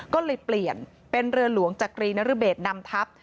ก็เลยเปลี่ยนเป็นเรือหลวงจักรีนรเบศนำทัพ